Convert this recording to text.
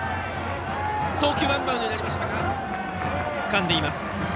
送球がワンバウンドになりましたがつかんでいます。